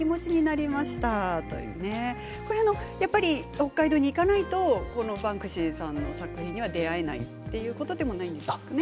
北海道に行かないとバンクシーさんの作品には出会えないということでもないんですよね。